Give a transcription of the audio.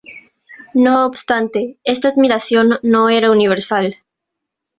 No obstante, esta admiración no era universal.